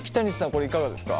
これいかがですか？